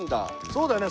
そうだよね。